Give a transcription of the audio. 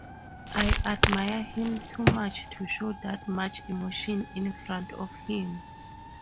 I admire him too much to show that much emotion in front of him.